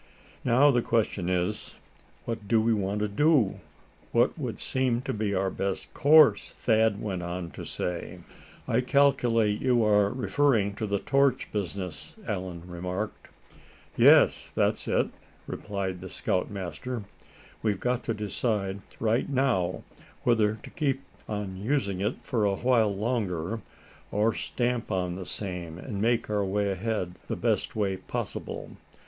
"Now, the question is, what do we want to do what would seem to be our best course?" Thad went on to say. "I calculate you are referring to the torch business?" Allan remarked. "Yes, that's it," replied the scoutmaster, "we've got to decide right now whether to keep on using it for a while longer, or stamp on the same, and make our way ahead the best way possible."